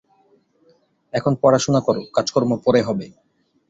এখন পড়াশুনো করো, কাজকর্ম পরে হবে।